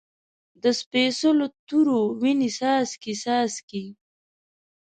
د سپیڅلو تورو، وینې څاڅکي، څاڅکي